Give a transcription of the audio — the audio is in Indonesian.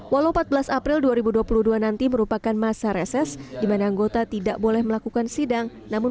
walau empat belas april dua ribu dua puluh dua nanti merupakan masa reses dimana anggota tidak boleh melakukan sidang namun